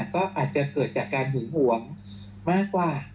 ก็อาจจะเกิดจากการหึงหวงมากกว่า